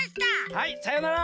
はいさようなら！